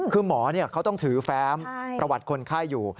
คือหมอเขาต้องถือแฟ้มประวัติคนไข้อยู่